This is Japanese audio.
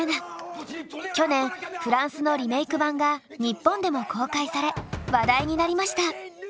去年フランスのリメーク版が日本でも公開され話題になりました。